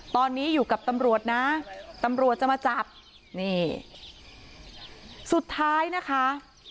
ตอนนี้อยู่กับตำรวจนะตำรวจจะมาจับนี่สุดท้ายนะคะ